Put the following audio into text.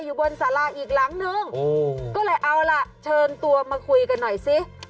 อยู่บนสาราอีกหลังนึงก็เลยเอาล่ะเชิญตัวมาคุยกันหน่อยสิ